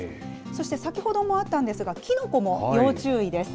そして先ほどもあったんですが、キノコも要注意です。